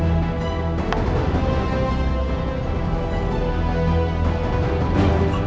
aku akan menang